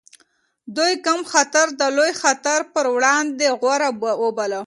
دوی کم خطر د لوی خطر پر وړاندې غوره وباله.